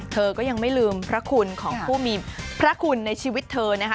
เธอก็ยังไม่ลืมพระคุณของผู้มีพระคุณในชีวิตเธอนะคะ